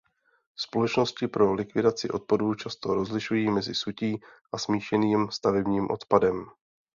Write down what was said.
Společnosti pro likvidaci odpadů často rozlišují mezi sutí a smíšeným stavebním odpadem.